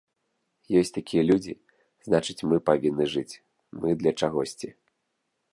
Ёсць такія людзі, значыць мы павінны жыць, мы для чагосьці.